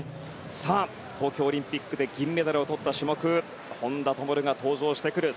さあ、東京オリンピックで銀メダルをとった種目本多灯が登場してくる。